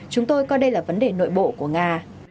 chúng tôi coi đây là vấn đề nội bộ của nga